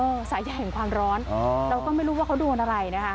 สายใหญ่แห่งความร้อนเราก็ไม่รู้ว่าเขาโดนอะไรนะคะ